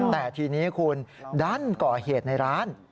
แต่ทีนี้คุณดันก่อเหตุในร้าน